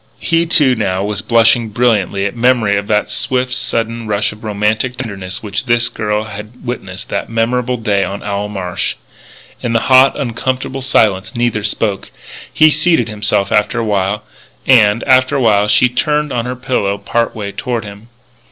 He, too, now was blushing brilliantly at memory of that swift, sudden rush of romantic tenderness which this girl had witnessed that memorable day on Owl Marsh. In the hot, uncomfortable silence, neither spoke. He seated himself after a while. And, after a while, she turned on her pillow part way toward him.